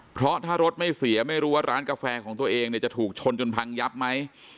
เพราะถ้ารถไม่เสียไม่รู้ว่าร้านกาแฟของตัวเองเนี่ยจะถูกชนจนพังยับไหม